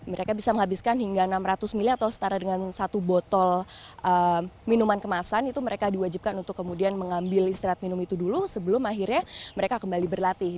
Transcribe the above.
mereka bisa menghabiskan hingga enam ratus ml atau setara dengan satu botol minuman kemasan itu mereka diwajibkan untuk kemudian mengambil istirahat minum itu dulu sebelum akhirnya mereka kembali berlatih